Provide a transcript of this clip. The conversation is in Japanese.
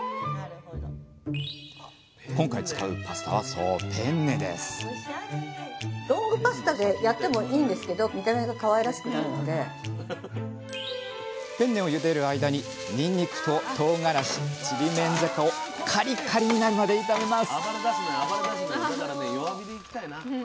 今回使うパスタはそうペンネですペンネをゆでる間ににんにくととうがらしちりめんじゃこをカリカリになるまで炒めます。